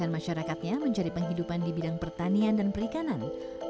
masyarakatnya mencari penghidupan di bidang pertanian dan perikanan